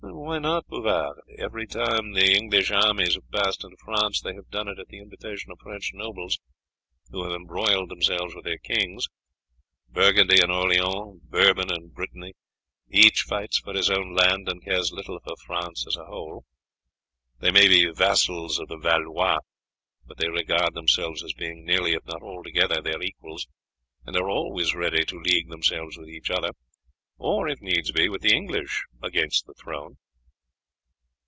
"Why not, Bouvard? Every time that English armies have passed into France they have done it at the invitation of French nobles who have embroiled themselves with their kings. Burgundy and Orleans, Bourbon and Brittany, each fights for his own hand, and cares little for France as a whole. They may be vassals of the Valois, but they regard themselves as being nearly, if not altogether, their equals, and are always ready to league themselves with each other, or if it needs be with the English, against the throne."